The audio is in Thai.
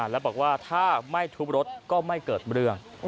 แล้วบอกว่าถ้าไม่ทุบรถก็ไม่เกิดเรื่อง